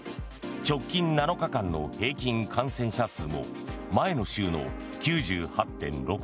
直近７日間の平均感染者数も前の週の９８．６％に。